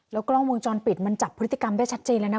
กล้องวงจรปิดมันจับพฤติกรรมได้ชัดเจนแล้วนะ